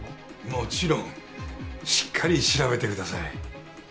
もちろんしっかり調べてください。